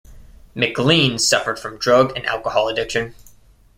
McLean suffered from drug and alcohol addiction.